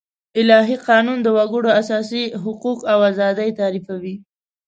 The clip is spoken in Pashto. الهي قانون د وګړو اساسي حقوق او آزادي تعريفوي.